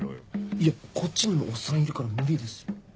いやこっちにもおっさんいるから無理ですよ。